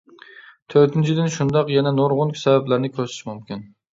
تۆتىنچىدىن، . شۇنداق، يەنە نۇرغۇن سەۋەبلەرنى كۆرسىتىش مۇمكىن.